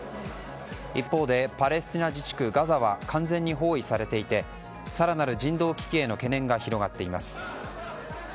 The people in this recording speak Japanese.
一方でパレスチナ自治区ガザは完全に包囲されていて更なる人道危機への懸念が広がっています。